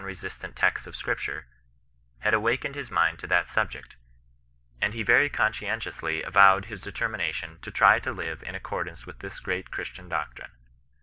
resistant texts of Scripture, had awakened his mind to that subject, and he very conscientiously avowed his determination to try to live in accordance with this great Christian doctrine.